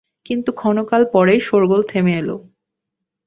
কিন্তু ক্ষণকাল পরেই শোরগোল থেমে এল।